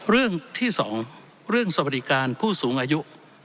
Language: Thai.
เรื่องที่สองเรื่องสบายการผู้สูงอายุ